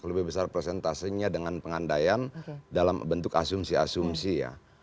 lebih besar presentasenya dengan pengandaian dalam bentuk asumsi asumsi ya